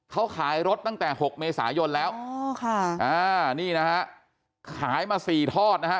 เขาขายรถตั้งแต่๖เมษายนแล้วนี่นะฮะขายมา๔ทอดนะครับ